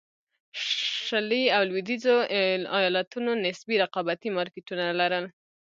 شلي او لوېدیځو ایالتونو نسبي رقابتي مارکېټونه لرل.